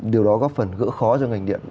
điều đó góp phần gỡ khó cho ngành điện